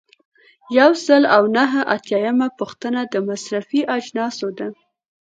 یو سل او نهه اتیایمه پوښتنه د مصرفي اجناسو ده.